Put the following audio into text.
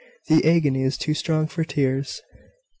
The agony is too strong for tears."